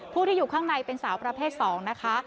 ผู้ที่อยู่ข้างในเป็นสาวประเภท๒นะคะ